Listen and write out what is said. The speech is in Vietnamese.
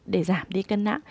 để giảm đi cân nã